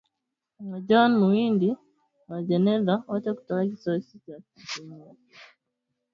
NA John Muhindi Uwajeneza, wote kutoka kikosi cha sitini na tano cha jeshi la Rwanda